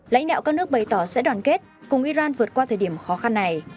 lãnh đạo các nước bày tỏ sẽ đoàn kết cùng iran vượt qua thời điểm khó khăn này